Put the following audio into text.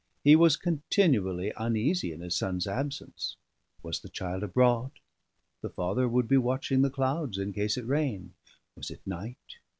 He was continually uneasy in his son's absence. Was the child abroad? the father would be watching the clouds in case it rained. Was it night?